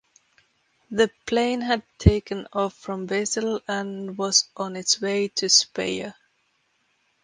The plane had taken off from Basel and was on its way to Speyer.